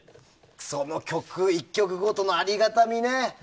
その曲１曲五とのありがたみね。